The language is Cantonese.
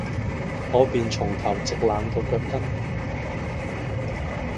我便從頭直冷到腳跟，